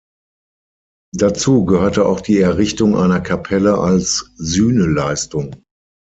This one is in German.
Dazu gehörte auch die Errichtung einer Kapelle als Sühneleistung.